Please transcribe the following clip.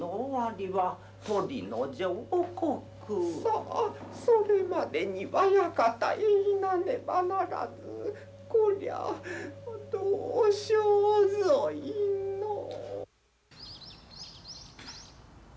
「さあそれまでにわやかたいいなればならずこりゃどうしようぞいのう」。